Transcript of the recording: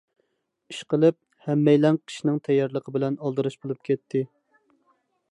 ئىشقىلىپ، ھەممەيلەن قىشنىڭ تەييارلىقى بىلەن ئالدىراش بولۇپ كەتتى.